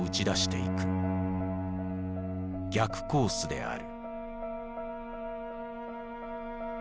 「逆コース」である。